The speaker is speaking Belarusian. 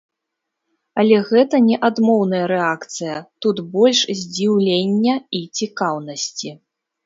Але гэта не адмоўная рэакцыя, тут больш здзіўлення і цікаўнасці.